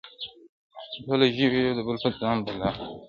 • ټوله ژوي یو د بل په ځان بلا وه -